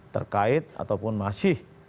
terkait ataupun masih